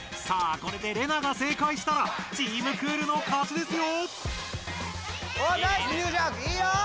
さあこれでレナが正解したらチーム・クールの勝ちですよ！